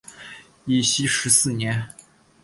义熙十四年。